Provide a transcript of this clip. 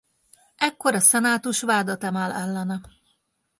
Ekkor a Szenátus vádat emel ellene.